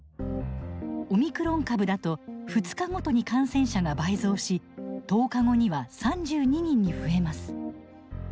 オミクロン株だと２日ごとに感染者が倍増し１０日後には３２人に増えます。